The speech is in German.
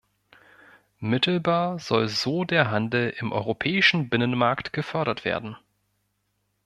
Mittelbar soll so der Handel im europäischen Binnenmarkt gefördert werden.